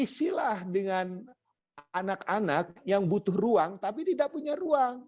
isilah dengan anak anak yang butuh ruang tapi tidak punya ruang